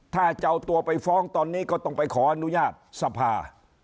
ถ้าจะเอาตัวไปฟ้องตอนนี้ก็ต้องไปขออนุญาตสภา